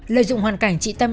lợi dụng hoàn cảnh chị tâm